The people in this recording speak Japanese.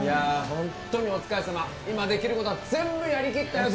ホントにお疲れさま今できることは全部やりきったよ